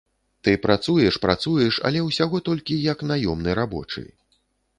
Ты працуеш-працуеш, але ўсяго толькі як наёмны рабочы.